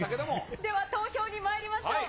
では、投票にまいりましょう。